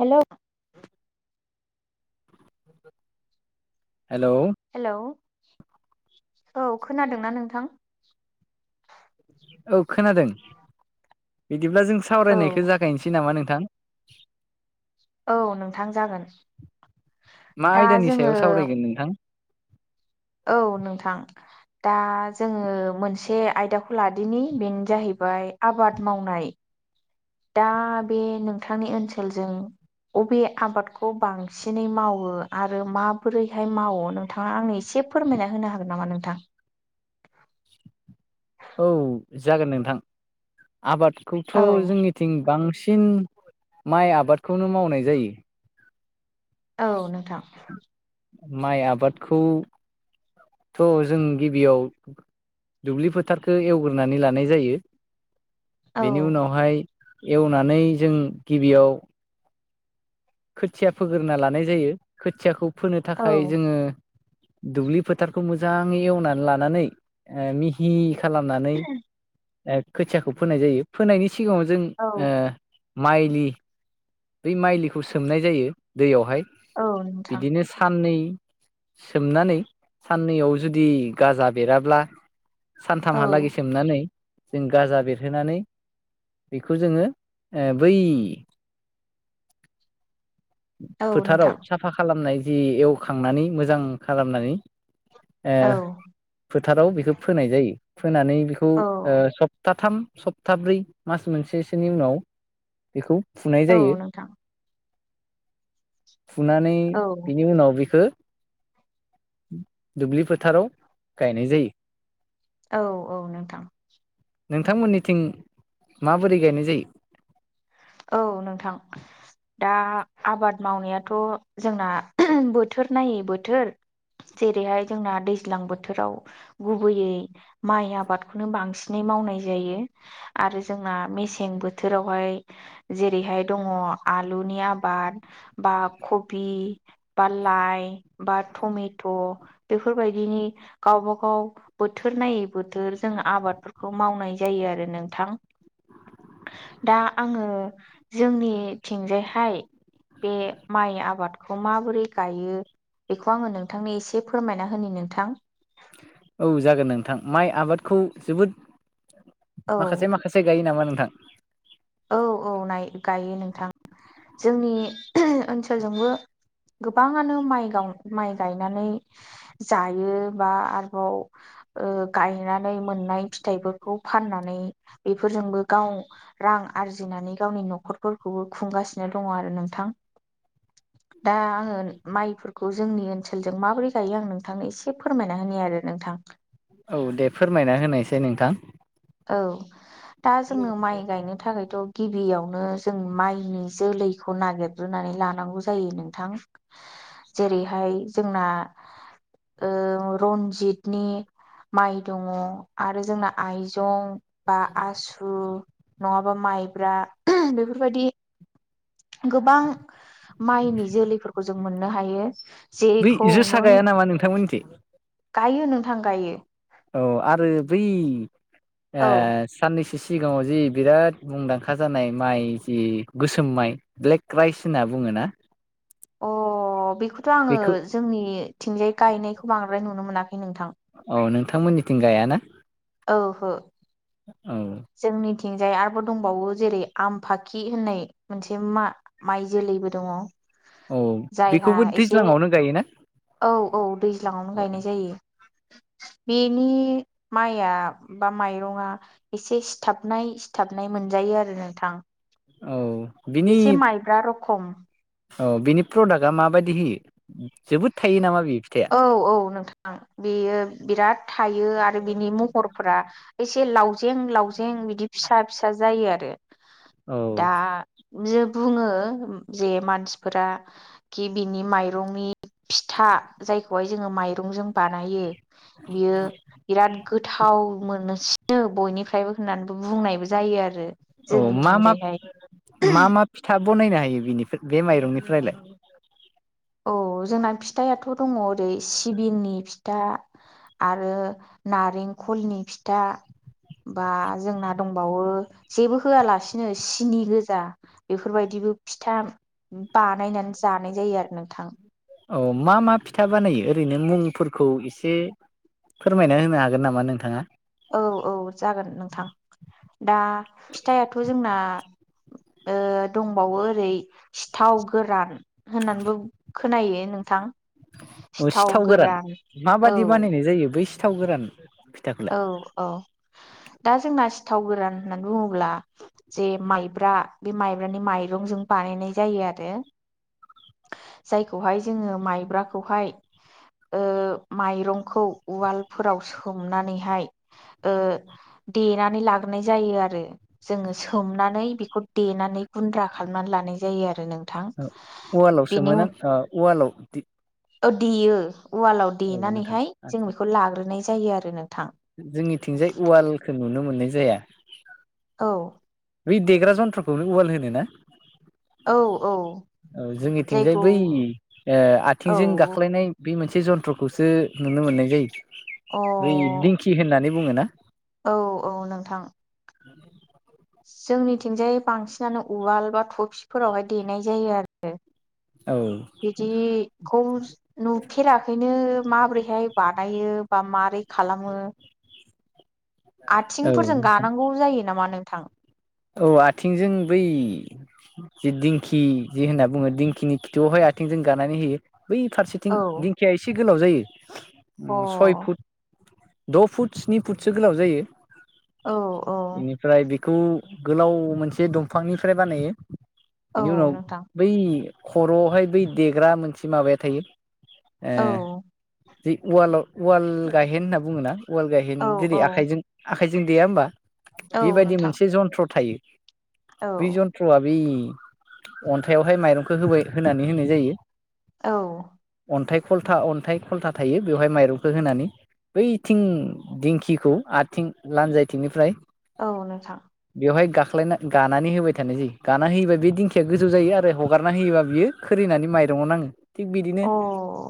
Hello [inaudible] hello औ खोनादोंना नोंथां औ खोनादों बिदिब्ला जों औ सावरायनायखौ जागायनोसै नामा नोंथां औ नोंथां जागोन मा दा आयदानि जोङो सायाव सावरायगोन नोंथां औ नोंथां दा जोङो मोनसे आयदाखौ लादोनि बेनो जाहै बाय आबाद मावनाय दा बे नोंथांनि ओनसोलजों अबे आबादखौ बांसिनै मावो आरो माबोरैहाय मावो नोंथाङा आंनो एसे फोरमायना होनो हागोन नामा नोंथां? औ जागोन नोंथां आबादखौथ' औ जोंनिथिं बांसि सिन माइ आबादखौनो मावनाय जायो औ नोंथां माइ आबादखौ थ' जों गिबियाव दुब्लि फोथारखौ एवग्रोनानै लानाय जायो औ बेनि उनावहाय एवनानै जों गिबियाव खोथिया फोग्रोना लानाय जायो खोथियाखौ फोनो थाखाय औ जोङो दुब्लि फोथारखौ मोजाङै एवनानै लानानै ओ मिहि खालामनानै ओ खोथियाखौ फोनाय जायो फोनायनि सिगाङाव जों औ ओ माइलि बै माइलिखौ सोमनाय जायो दैयावहाय औ नोंथां बिदिनो साननै सोमनानै साननैयाव जुदि गाजा बेराब्ला औ सानथामहालागै सोमनानै जों गाजा बेरहोनानै बेखौ जोङो ओ बै औ नोंथां फोथाराव साफा खालामनाय जि एवखांनानै मोजां खालामनानै ओ औ फोथाराव बेखौ फोनाय जायो। फोनानै बेखौ औ ओ सप्ताथाम सप्ताब्रै मास मोनसेसोनि उनाव बेखौ फुनाय औ जायो। नोंथां फुनानै औ बिनि उनाव बेखौ दुब्लि फोथाराव गायनाय जायो। औ औ नोंथां। नोंथांमोननिथिं माबोरै गायनाय जायो? औ नोंथां। दा आबाद मावनायाथ' जोंना बोथोर नायै बोथोर। जेरैहाय जोंना दैज्लां बोथोराव गुबैयै माइ आबादखौनो बांसिनै मावनाय जायो आरो जोंना मेसें बोथोरावहाय जेरैहाय दङ आलुनि आबाद बा खबि बा लाइ बा टमेट' बेफोरबायदिनि गावबा गाव बोथोर नायै बोथोर जों आबादफोरखौ मावनाय जायो आरो नोंथां दा आङो जोंनिथिंजायहाय बे माइ आबादखौ माबोरै गायो बेखौ आङो नोंथांनो एसे फोरमायना होनि नोंथां। औ जागोन नोंथां माइ आबादखौ जोबोद औ माखासे माखासे गायो नामा नोंथां? औ औ नाय गायो नोंथां जोंनि ओनसोलजोंबो गोबाङानो माइ गाव माइ गायनानै जायो बा आरोबाव ओ गायनानै मोननाय फिथाइफोरखौ फाननानै बेफोरजोंबो गाव रां आरजिनानै गावनि न'खरफोरखौबो खुंगासिनो दङ आरो नोंथां। दा आङो माइफोरखौ जोंनि ओनसोलजों माबोरै गायो आं नोंथांनो एसे फोरमायना होनि आरो नोंथां। औ दे फोरमायना होनायसै नोंथां। औ दा जोङो माइ गायनो थाखायथ' गि बियावनो जों माइनि जोलैखौ नागिरग्रोनानै लानांगौ जायो नोंथां। जेरैहाय जोंना ओ रनजितनि माइ दङ आरो जोंना आइज जं बा आसु नङाबा माइब्रा बेफोरबायदि गोबां माइनि जोलैफोरखौ जों मोननो हायो। बै जेखौ जोसा नों गाया नामा नोंथांमोननिथिं गायो नोंथां गायो। औ आरो बै ओ औ साननैसो सिगाङाव जि बिराद मुंदांखा जानाय माइ जि गोसोम माइ ब्लेक राइस होनना बुङोना? [inaudible] अ बेखौथ' आङो बेखौ जोंनि थिंजाय गायनायखौ बांद्राय नुनो मोनाखै नोंथां। औ नोंथांमोननिथिं गायाना? ओहो। औ जोंनि थिंजाय आरोबो दंबावो जेरै आमफाखि होननाय मोनसे मा-माइ जोलैबो दङ। औ जायहा बेखौबो एसे दैज्लाङावनो गायोना? औ औ दैज्लाङावनो गायनाय जायो। बेनि माइआ बा माइरंआ एसे सिथाबनाय सिथाबनाय मोनजायो आरो नोंथां। औ बिनि एसे माइब्रा रखम औ बिनि प्रडाक्टआ माबायदि होयो जोबोद थायो नामा? बे फिथाइआ औ औ नोंथां बेयो बिराद थायो आरो बिनि महरफोरा एसे लावजें लावजें बिदि फिसा फिसा जायो। आरो औ दा जोब बुङो जे मानसिफोराखि बिनि माइरंनि फिथा जायखौहाय जोङो माइरंजों बानायो बियो बिराद गोथाव मोनो। ओ बयनिफ्रायबो होन्नानबो बुंनायबो जायो आरो औ मा मा जोंनिथिंजायहाय मा मा फिथा बनायनो हायो बिनिफ्राय बे मायरंनिफ्रायलाय। औ जोंना फिथायाथ' दङ ओरै सिबिंनि फिथा आरो नारेंखलनि फिथा बा जोंना दंबावो जेबो होआलासिनो सिनि गोजा बेफोरबायदि बो फिथा बानायनानै जानाय जायो आरो नों औ मा मा फिथा बानायो ओरैनो मुंफोरखौ एसे फोरमायना होनो हागोन नामा नोंथाङा? औ औ जागोन नोंथां दा फिथायाथ' जोंना ओ दंबावो ओरै सिथाव गोरान होन्नानबो खोनायो नोंथां। ओ सिथाव गोरान औ माबादि बानायनाय जायो बै सिथाव गोरान फिथाखौलाय औ औ। दा जोंना सिथाव गोरान होन्नान बुङोब्ला जे मायब्रा बे मायब्रानि मायरंजों बा बानायनाय जायो आरो जायखौहाय जोंओ मायब्राखौहाय ओ मायरंखौ उवालफोराव सोम उन्नानैहाय ओ देनानै लागोरनाय जायो आरो जोंओ सोमना नै बेखौ देनानै गुन्द्रा खालामनानै लानाय जायो आरो नों उवालावसोमोन आं आ उवालाव ओ देयो उवालाव औ नोंथां देनानैहाय जों आदसा बेखौ लाग्रोनाय जायो आरो नोंथां। जोंनिथिंजाय उवालखौ नुनो मोन्नाय जाया। औ बै देग्रा जन्थ्रखौनो उवाल होनो ना? औ औ ओ जोंनिथिंजाय जायखौ बै ओ औ आथिंजों गाख्लायनाय बै मोन एसे जन्थ्रखौसो नुनो मोननाय जायो अ बै दिंखि होननानै बुङो ना। औ औ नोंथां। [unintelligible] जोंनिथिंजाय बांसिनानो उवाल बा थपसिफोरावहाय देनाय जायो आरो। औ बिदिखौ नुफेराखैनो। माबोरैहाय बानायो बा मारै खालामो। औ आथिंफोरजों नोंथां गानांगौ जायो नामा नोंथां? औ आथिंजों बै जे दिंखि जे होनना बुङो दिंखिनि खिथुआवहाय आथिंजों गानानै होयो। बै फारसेथिं औ दिंखिया एसे गोलाव जायो अ उम सय फुट। औ द' फुट स्नि फुटसो गोलाव जायो औ बेनिफ्राय बेखौ गोलाव मोनसे दंफांनिफ्राय बानायो औ बेनि उनाव नोंथां बै खर'आवहाय बै देग्रा मोनसे माबाया थायो ए औ जै उवालाव उवाल गायहेन होनना बुङोना उवाल गायहेन औ जेरै औ आखाइजों आ थाइजों गोया होमबा। औ नोंथां। थ्र थायो औ बै जन्थ्रआ बै अन्थायाइावहाय माइरंखौ होबाय होनानै होनाय जायो। औ। अन्थाय खलथा अन्थाय खलथा थायो बेवहाय माइरंखौ होनानै। बैथिं दिंखिखौ आथिं लानजायथिंनिफ्राय औ नोंथां। बेवहाय गाख्लायना गानानै होबाय थानाय जायो गाना होयोबा बे दिंखिया गोजौ जायो आरो हगारना होयोबा बियो खोरै नानै मायरंआव नाङो। थिग अ बिदिनो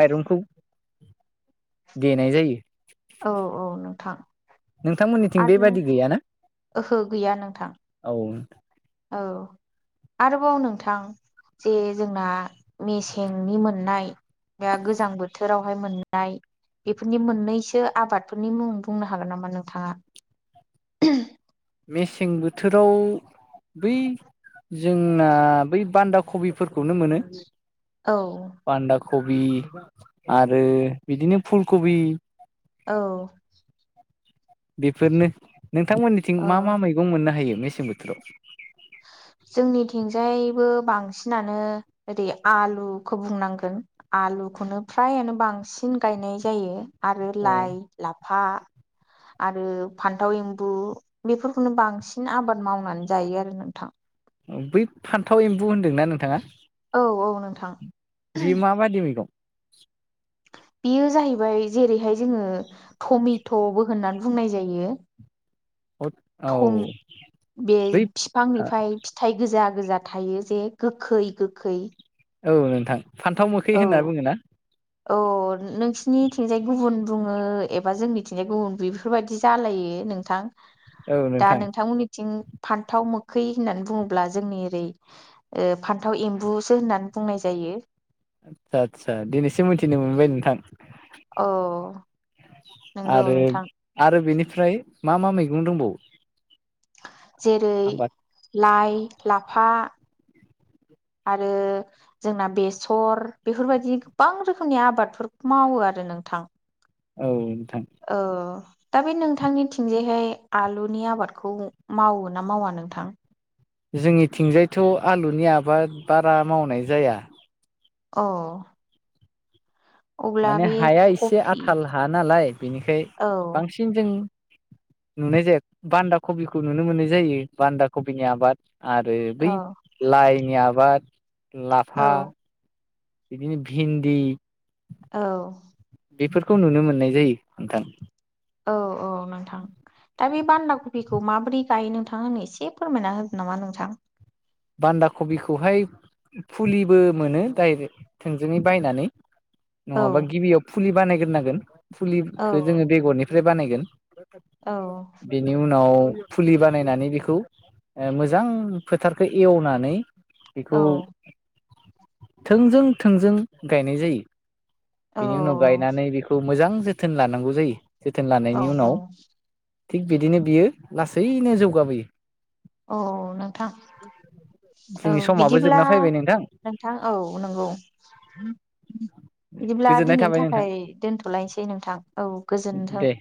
मायरंखौ देनाय जायो। औ औ नोंथां। नोंथांमोननिथिं आरो बेबादि गैयाना ओहो गैया नोंथां औ औ आरोबाव नोंथां जे जोंना मेसेंनि मोननाय दा गोजां बोथोरावहाय मोननाय बेफोरनि मोननैसो आबादफोरनि मुं बुंनो हागोन नामा नोंथाङा मेसें बोथोराव बै जोंना बै बान्दा कबिफोरखौनो मोनो । औ कबि आरो बिदिनो फुल कबि औ बेफोरनो नोंथांमोननिथिं औ मा मा मैगं मोननो हायो मेसें बोथोराव [inaudible] जोंनिथिंजायबो बांसिनानो ओरै आलुखौ बुंनांगोन आलु फुलुखौनो फ्रायानो बांसिन गायनाय जायो आरो लाइ अ लाफा आरो फान्थाव एम्बु बेफोरखौनो बांसिन आबाद मावनानै जायो आरो नों बै फान्थाव एम्बु होनदोंना नोंथाङा औ औ नोंथां बि माबायदि मैगं [inaudible] बेयो जाहैबाय जेरैहाय जोङो टमेट'बो होननानै बुंनाय जायो। औ थ बे बै बिफांनिफ्राय फिथाइ गोजा गोजा थायो जे गोखै गोखै औ नोंथां फान्थाव मोखै औ होनना बुङो ना? औ नोंसिनि थिंजाय गुबुन बुङो एबा जोंनिथिंजाय गुबुन बेफोरबायदि जालायो नोंथां औ दा नोंथां नोंथांमोननिथिं फान्थाव मोखै होननानै बुङोब्ला जोंनि ओरै फान्थाव एम्बुसो होननानै बुंनाय जायो । यो आदसा आदसा दिनैसिम मिथिनो मोनबाय नोंथां औ नंगौ आरो नोंथां आरो बेनिफ्राय मा मा मैगं दंबावो? जेरै आबाद लाइ लाफा आरो जोंना बेसर बेफोरबायदि गोबां रोखोमनि आबादफोर मावो आरो नों थां औ नोंथां औ दा बे नोंथांनिथिंजायहाय आलुनि आबादखौ मावो ना मावा नोंथां? जोंनिथिंजायथ' आलुनि आबाद बारा मावनाय जाया। अ अब्ला माने बे हाया एसे कफि आथाल हा नालाय बेनिखाय औ बांसिन जों नुनाय जाया बान्दा कबिखौ नुनो मोननाय जायो बान्दा कबिनि आबाद आरो औ बै लाइनि आबाद औ लाफा बिदिनो भिन्दि औ । बेफोरखौ नुनो मोननाय जायो नोंथां । औ औ नोंथां दा बे बान्दा कबिखौ माबोरै गायो नोंथां आंनो एसे फोरमायना होगोन नामा नोंथां? बान्दा कबिखौहाय फुलिबो मोनो डाइरेक्ट थोंजोङै बायनानै । औ नङाबा गिबियाव फुलि बानायग्रोनांगोन औ फुलिखौ जोङो बेगरनिफ्राय बानायगोन औ । बेनि उनाव फुलि बानायनानै बेखौ मोजां फोथारखौ एवनानै औ बेखौ थोंजों थोंजों गायनाय जायो । औ बेनि उनाव गायनानै बेखौ मोजां जोथोन लानांगौ जायो । जोथोन औ लानायनि उनाव थिग बिदिनो बियो लासैनो जौगाबोयो । औ नोंथां । औ जोंनि समाबो बिदिब्ला जोबना फैबाय नोंथां औ नंगौ । बिदिब्ला गोजोननाय दिनैनि थाबाय नोंथां थाखाय दोनथ'लायसै नोंथां औ गोजोनथों दे ।